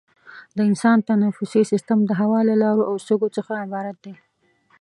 د انسان تنفسي سیستم د هوا له لارو او سږو څخه عبارت دی.